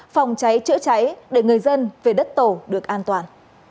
phòng cháy chữa cháy để người dân về đất tổ được an toàn